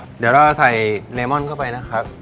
เดี๋ยวเราจะใส่เนมอนเข้าไปนะครับ